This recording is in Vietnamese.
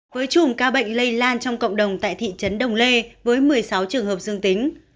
với chùm ca bệnh lây lan trong cộng đồng tại thị trấn đồng lê với một mươi sáu trường hợp dương tính